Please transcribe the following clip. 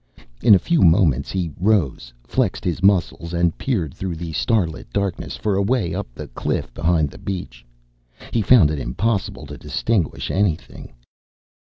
In a few moments he rose, flexed his muscles and peered through the starlit darkness for a way up the cliff behind the beach. He found it impossible to distinguish anything.